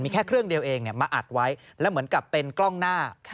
มีแค่เครื่องเดียวเองมาอัดไว้แล้วเหมือนกับเป็นกล้องหน้า